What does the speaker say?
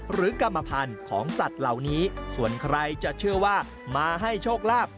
หรือกรรมพันธุ์ของสัตว์เหล่านี้ส่วนใครจะเชื่อว่ามาให้โชคลาภ